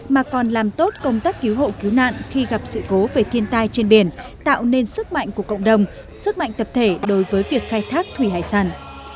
mà còn làm tốt công tác cứu hộ cứu nạn khi gặp sự cố về thiên tai trên biển tạo nên sức mạnh của cộng đồng sức mạnh tập thể đối với việc khai thác thủy hải sản